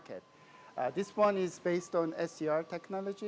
yang ini berdasarkan teknologi